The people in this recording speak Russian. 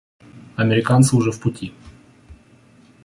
Американцы уже в пути.